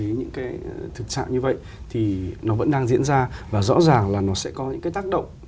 những cái thực trạng như vậy thì nó vẫn đang diễn ra và rõ ràng là nó sẽ có những cái tác động